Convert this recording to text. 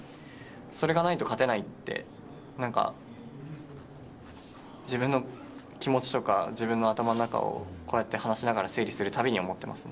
それがないと勝てないって自分の気持ちとか自分の頭の中をこうやって話しながら整理する度に思ってます。